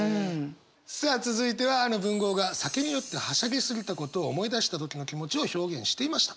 さあ続いてはあの文豪が酒に酔ってはしゃぎすぎたことを思い出した時の気持ちを表現していました。